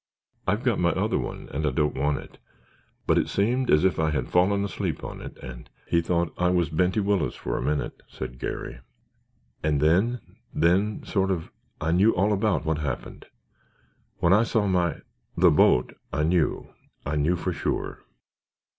"I've got my other one and I don't want it. But it seemed as if I had fallen asleep on it and——" "He thought I was Benty Willis for a minute," said Garry. "And then—then, sort of, I knew all about what happened. When I saw my—the—boat, I knew. I knew for sure."